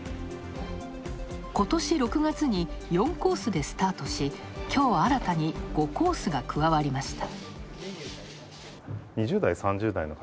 ことし６月に４コースでスタートし、きょう新たに５コースが加わりました。